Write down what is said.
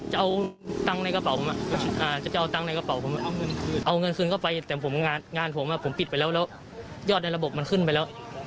จะเอาตังค์ในกระเป๋าเอาเงินคืนก็ไปแต่งานผมปิดไปแล้วแล้วยอดในระบบมันขึ้นไปแล้ว